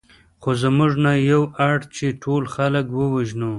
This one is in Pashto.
خو موږ نه یو اړ چې ټول خلک ووژنو